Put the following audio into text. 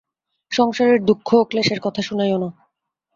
সংসারের দুঃখ ও ক্লেশের কথা শুনাইও না।